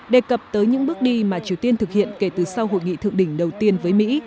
đề cập tới những bước đi mà triều tiên thực hiện kể từ sau hội nghị thượng đỉnh đầu tiên với mỹ